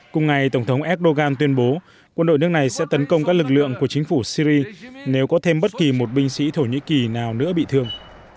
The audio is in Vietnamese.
cùng ngày tổng thống erdogan tuyên bố quân đội nước này sẽ tấn công các lực lượng của chính phủ syri nếu có thêm bất kỳ một binh sĩ thổ nhĩ kỳ nào nữa bị thương